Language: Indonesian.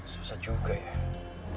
susah juga ya